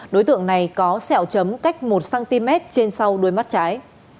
đối tượng này có sẹo chấm cách một cm trên sau đuôi mắt trái